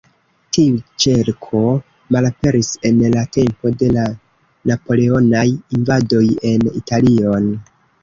Tiu ĉerko malaperis en la tempo de la Napoleonaj invadoj en Italion.